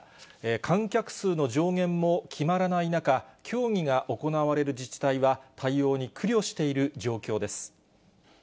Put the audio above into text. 観客数の上限も決まらない中、競技が行われる自治体は、対応に苦慮くしている状況です。